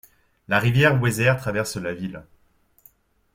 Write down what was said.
La rivière Weser traverse la ville.